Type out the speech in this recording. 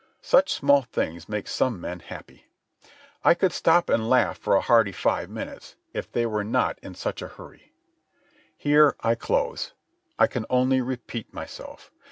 Such small things make some men happy! I could stop and laugh for a hearty five minutes, if they were not in such a hurry. Here I close. I can only repeat myself.